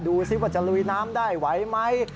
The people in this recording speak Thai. ดูสิว่าจะลุยน้ำได้ไหวไหม